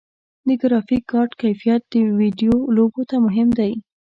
د ګرافیک کارت کیفیت د ویډیو لوبو ته مهم دی.